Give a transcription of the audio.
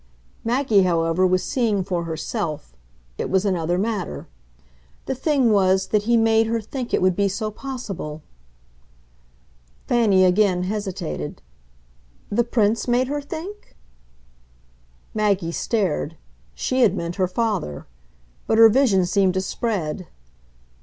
Maggie, however, was seeing for herself it was another matter, "The thing was that he made her think it would be so possible." Fanny again hesitated. "The Prince made her think ?" Maggie stared she had meant her father. But her vision seemed to spread.